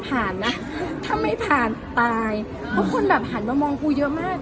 ผ่านนะถ้าไม่ผ่านตายเพราะคนแบบหันมามองกูเยอะมาก